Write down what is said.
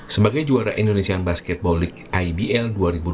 sebagai juara indonesian basketball league ibl dua ribu dua puluh